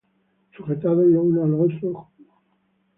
Sujetados los unos á los otros en el temor de Dios.